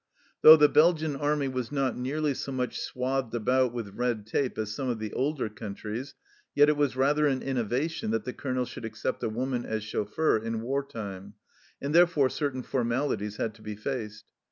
Though the Belgian Army was not nearly so much swathed about with red tape as some of the older countries, yet it was rather an innovation that the Colonel should accept a woman as chauffeur in war time, and therefore certain formalities had to be faced.